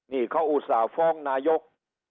นี่เขาอุตส่าห์ฟ้องนายก